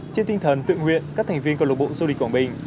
trên tinh thần tự nguyện các thành viên cơ lộc bộ du lịch quảng bình